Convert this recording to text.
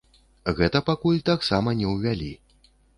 Гэта пакуль таксама не ўвялі.